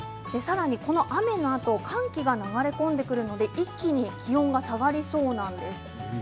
さらに、この雨のあと寒気が流れ込んでくるので一気に気温が下がりそうなんです。